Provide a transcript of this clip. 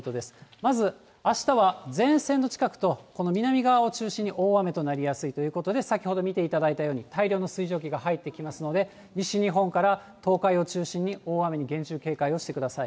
まずあしたは前線の近くと、この南側を中心に大雨となりやすいということで、先ほど見ていただいたように、大量の水蒸気が入ってきますので、西日本から東海を中心に、大雨に厳重警戒をしてください。